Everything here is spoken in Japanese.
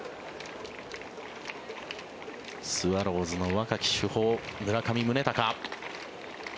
スワローズの若き主砲村上宗隆。